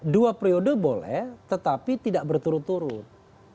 dua periode boleh tetapi tidak berturut turut